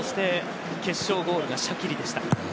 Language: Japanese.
決勝ゴールがシャキリでした。